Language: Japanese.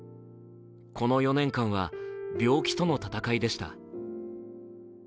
この４年間は病気との闘いでした。